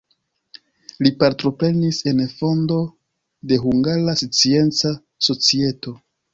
Li partoprenis en fondo de Hungara Scienca Societo.